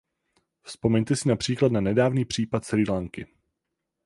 Vzpomeňte si například na nedávný případ Srí Lanky.